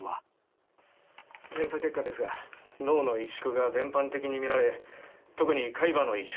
検査結果ですが脳の萎縮が全般的に見られ特に海馬の萎縮が目立ちます。